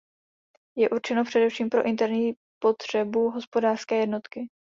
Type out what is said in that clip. Je určeno především pro interní potřebu hospodářské jednotky.